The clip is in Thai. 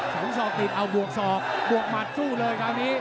สองศอกติดเอาบวกศอกบวกหมัดสู้เลยคราวนี้